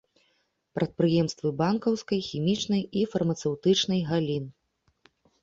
Прадпрыемствы банкаўскай, хімічнай і фармацэўтычнай галін.